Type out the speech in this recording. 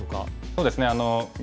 そうですね。